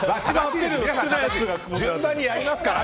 順番にやりますから！